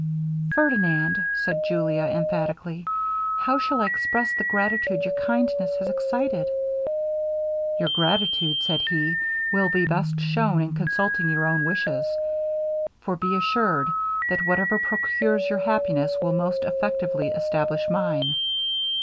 'Ferdinand,' said Julia, emphatically, 'how shall I express the gratitude your kindness has excited?' 'Your gratitude,' said he, 'will be best shown in consulting your own wishes; for be assured, that whatever procures your happiness, will most effectually establish mine.